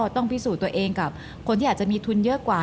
ต้องพิสูจน์ตัวเองกับคนที่อาจจะมีทุนเยอะกว่า